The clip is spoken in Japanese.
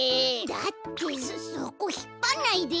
だってそそこひっぱんないで。